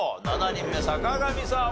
７人目坂上さん